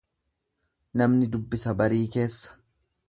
Namni dubbisa barii keessa.